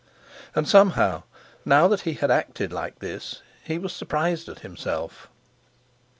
And somehow, now that he had acted like this, he was surprised at himself.